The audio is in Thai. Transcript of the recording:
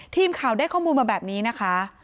ทีมข่าวได้ข้อมูลมาแบบนี้นะคะ